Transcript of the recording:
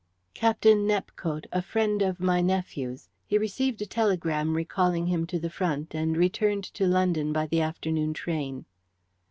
"Captain Nepcote, a friend of my nephew's. He received a telegram recalling him to the front, and returned to London by the afternoon train."